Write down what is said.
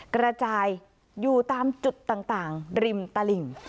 กระจายอยู่ตามจุดต่างริมตลิ่ง